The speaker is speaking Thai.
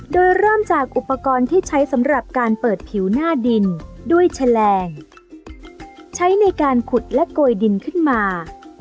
โดยเริ่มจากอุปกรณ์ที่ใช้สำหรับการเปิดผิวหน้าดินด้วยแฉลงใช้ในการขุดและโกยดินขึ้นมา